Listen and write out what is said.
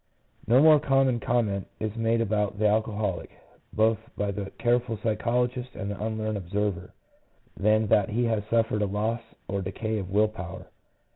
No more common comment is made upon the alcoholic, both by the careful psychologist and the unlearned ob server, than that he has suffered a loss or decay of "will power."